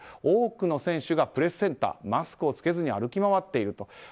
多くの選手がプレスセンターをマスクを着けずに歩き回っていると。